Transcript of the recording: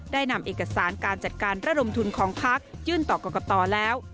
ได้นำเอกสารการจัดการระดมทุนของพักยื่นต่อกรกตแล้ว